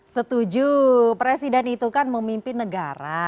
setuju presiden itu kan memimpin negara